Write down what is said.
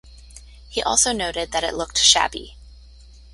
He also noted that it looked "shabby".